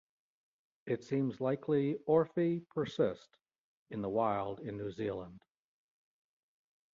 It seems likely orfe persist in the wild in New Zealand.